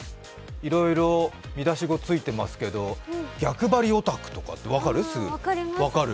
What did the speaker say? いろいろ見出しもついていますけど、逆張りオタクとかってすぐ分かる？